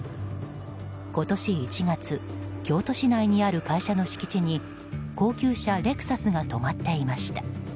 今年１月京都市内にある会社の敷地に高級車レクサスが止まっていました。